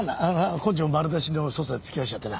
根性丸出しの捜査に付き合わせちゃってな。